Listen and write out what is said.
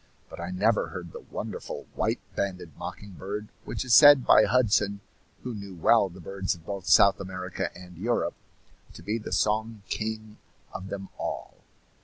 But I never heard the wonderful white banded mocking bird, which is said by Hudson, who knew well the birds of both South America and Europe, to be the song king of them all.